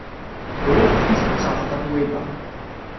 Uriɣ-d tizlit ɣef Tatoeba.